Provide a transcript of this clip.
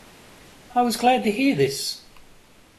I was glad to hear this.